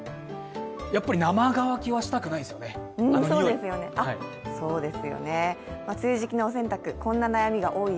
やっぱり生乾きはしたくないですよね、あの臭い。